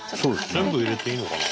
全部入れていいのかな？